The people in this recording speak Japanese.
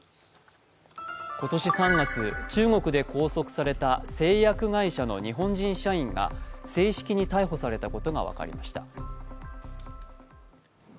今年３月、中国で拘束された製薬会社の日本人社員が正式に逮捕されたことが分かりました。